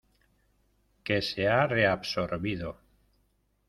que se ha reabsorbido.